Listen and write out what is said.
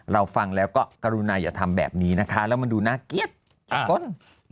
เราฟังแล้วก็กรุณายธรรมแบบนี้นะคะแล้วมันดูน่าเกียรติชิบก้น